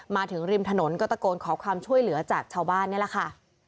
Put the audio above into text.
มาถึงริมถนนก็ตะโกนขอความช่วยเหลือจากชาวบ้านนี่แหละค่ะ